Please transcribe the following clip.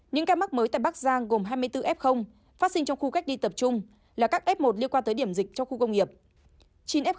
những ca mắc mới tại bắc giang gồm hai mươi bốn f phát sinh trong khu cách ly tập trung là các f một liên quan tới điểm dịch trong khu công nghiệp